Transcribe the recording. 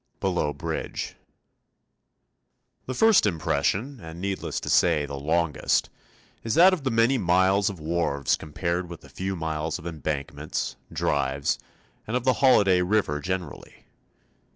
BELOW BRIDGE The first impression, and, needless to say, the longest, is that of the many miles of wharves compared with the few miles of embankments, drives, and of the holiday river generally.